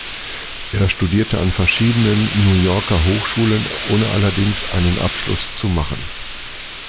Er studierte an verschiedenen New Yorker Hochschulen, ohne allerdings einen Abschluss zu machen.